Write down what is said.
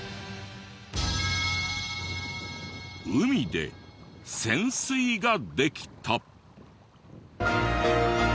海で潜水ができた。